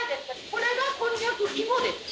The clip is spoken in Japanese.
これがこんにゃく芋です